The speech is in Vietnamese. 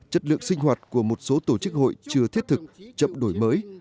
chất lượng sinh hoạt của một số tổ chức hội chưa thiết thực chậm đổi mới